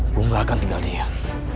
gua nggak akan tinggal diam